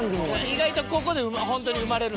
意外とここで本当に生まれる。